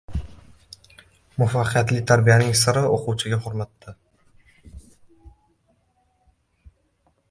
Muvaffaqiyatli tarbiyannng siri — o‘quvchiga hurmatda.